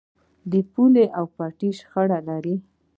د پولې او پټي شخړه لرئ؟